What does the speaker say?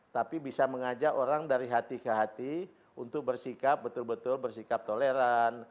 tapi bisa mengajak orang dari hati ke hati untuk bersikap betul betul bersikap toleran